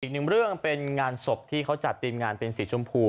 อีกหนึ่งเรื่องเป็นงานศพที่เขาจัดทีมงานเป็นสีชมพู